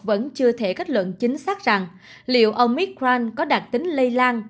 vẫn chưa thể kết luận chính xác rằng liệu omicron có đặc tính lây lan